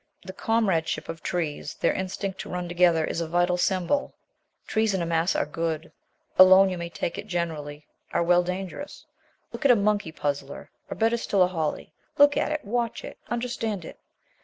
The comradeship of trees, their instinct to run together, is a vital symbol. Trees in a mass are good; alone, you may take it generally, are well, dangerous. Look at a monkey puzzler, or better still, a holly. Look at it, watch it, understand it.